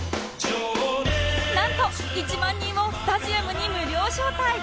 なんと１万人をスタジアムに無料招待！